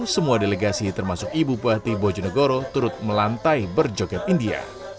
semua delegasi termasuk ibu bupati bojonegoro turut melantai berjoget india